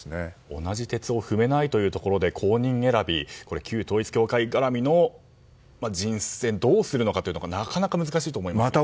同じ轍を踏めないところで後任選び、旧統一教会絡みの人選どうするのかなかなか難しいと思います。